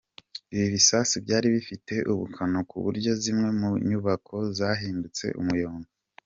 Ibi bisasu byari bifite ubukana ku buryo zimwe mu nyubako zahindutse umuyonga.